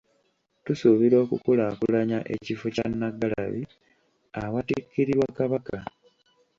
Tusuubira okukulaakulanya ekifo kya Nnaggalabi awatikkirirwa Kabaka.